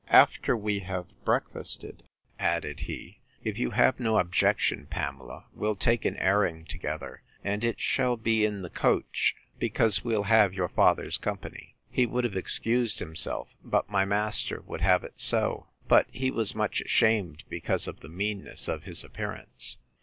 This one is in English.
After we have breakfasted, added he, if you have no objection, Pamela, we'll take an airing together; and it shall be in the coach, because we'll have your father's company. He would have excused himself; but my master would have it so: but he was much ashamed, because of the meanness of his appearance.